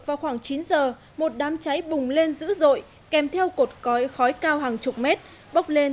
vào khoảng chín giờ một đám cháy bùng lên dữ dội kèm theo cột cói khói cao hàng chục mét bốc lên